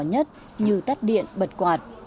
nhất như tắt điện bật quạt